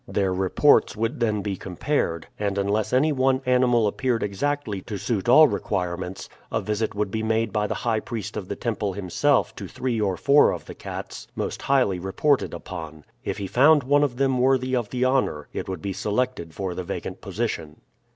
Their reports would then be compared, and unless any one animal appeared exactly to suit all requirements, a visit would be made by the high priest of the temple himself to three or four of the cats most highly reported upon. If he found one of them worthy of the honor, it would be selected for the vacant position.